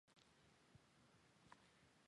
昂格莱人口变化图示